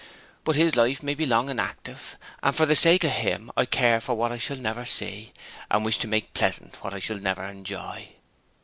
But his life may be long and active, and for the sake of him I care for what I shall never see, and wish to make pleasant what I shall never enjoy.